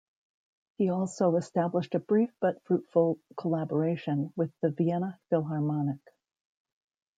He also established a brief but fruitful collaboration with the Vienna Philharmonic.